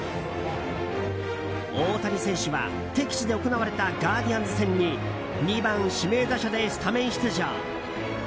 大谷選手は敵地で行われたガーディアンズ戦に２番指名打者でスタメン出場。